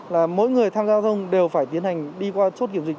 là mỗi người tham gia giao thông đều phải tiến hành đi qua chốt kiểm dịch